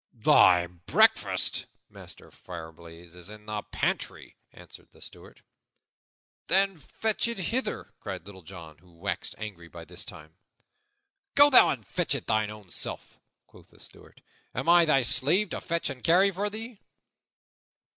"Thy breakfast, Master Fireblaze, is in the pantry," answered the Steward. "Then fetch it hither!" cried Little John, who waxed angry by this time. "Go thou and fetch it thine own self," quoth the Steward. "Am I thy slave, to fetch and carry for thee?"